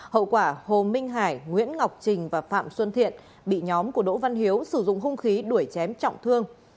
hậu quả hồ minh hải nguyễn ngọc trình và phạm xuân thiện bị nhóm của đỗ văn hiếu sử dụng hung khí đuổi chém trọng thương